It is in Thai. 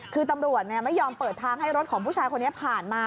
คือตำรวจไม่ยอมเปิดทางให้รถของผู้ชายคนนี้ผ่านมา